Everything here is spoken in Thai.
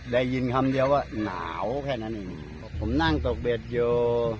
ได้ยินคำเดียวว่าหนาวแค่นั้นเองผมนั่งตกเบ็ดอยู่